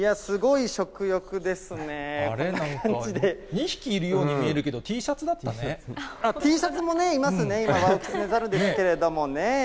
２匹いるように見えるけど、Ｔシャツもね、いますね、今、ワオキツネザルですけれどもね。